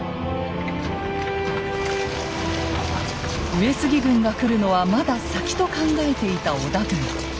上杉軍が来るのはまだ先と考えていた織田軍。